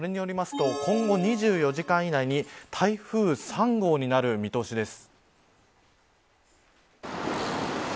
それによりますと今後２４時間以内に台風３号になる見通しです。